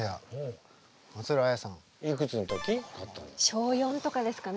小４とかですかね